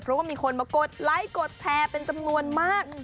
เพราะว่ามีคนมากดไลค์กดแชร์เป็นจำนวนมาก